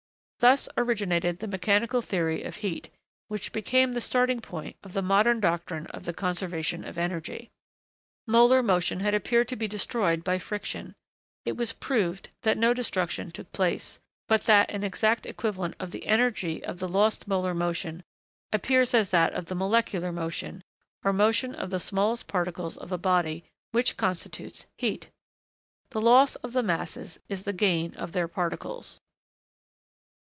Thus originated the mechanical theory of heat, which became the starting point of the modern doctrine of the conservation of energy. Molar motion had appeared to be destroyed by friction. It was proved that no destruction took place, but that an exact equivalent of the energy of the lost molar motion appears as that of the molecular motion, or motion of the smallest particles of a body, which constitutes heat. The loss of the masses is the gain of their particles.